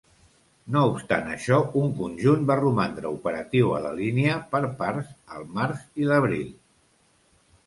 No obstant això, un conjunt va romandre operatiu a la línia per parts al març i l'abril.